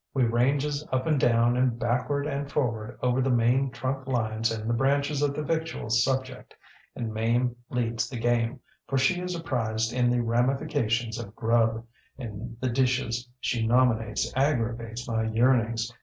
We ranges up and down and backward and forward over the main trunk lines and the branches of the victual subject, and Mame leads the game, for she is apprised in the ramifications of grub, and the dishes she nominates aggravates my yearnings.